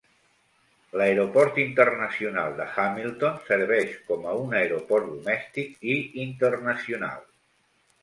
L'Aeroport Internacional de Hamilton serveix com a un aeroport domèstic i internacional.